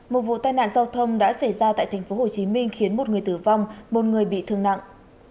một vụ tai nạn giao thông đã xảy ra tại tp hcm khiến một người tử vong một người bị thương nặng